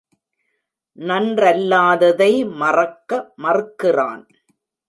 நன்றல்லாததை மறக்க மறுக்கிறான்.